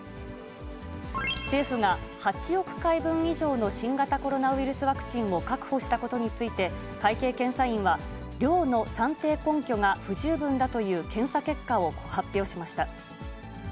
政府が８億回分以上の新型コロナウイルスワクチンを確保したことについて、会計検査院は、量の算定根拠が不十分だという検査結果を発表しました。